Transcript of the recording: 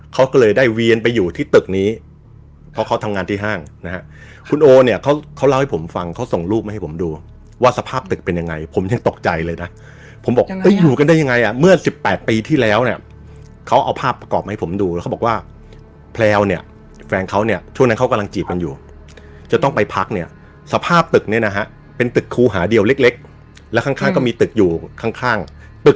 เขาเขาทำงานที่ห้างนะฮะคุณโอเนี่ยเขาเขาเล่าให้ผมฟังเขาส่งรูปมาให้ผมดูว่าสภาพตึกเป็นยังไงผมยังตกใจเลยนะผมบอกเอ้ยอยู่กันได้ยังไงอ่ะเมื่อสิบแปดปีที่แล้วเนี่ยเขาเอาภาพประกอบมาให้ผมดูแล้วเขาบอกว่าแพรวเนี่ยแฟนเขาเนี่ยช่วงนั้นเขากำลังจีบกันอยู่จะต้องไปพักเนี่ยสภาพตึกเนี่ยนะฮะเป